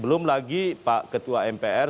belum lagi pak ketua mpr